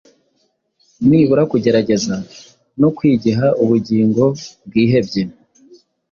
Nibura kugerageza, no kwigiha Ubugingo bwibehye